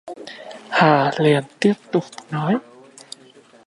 hà liền tiếp tục nói